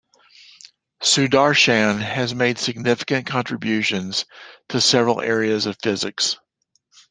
Sudarshan has made significant contributions to several areas of physics.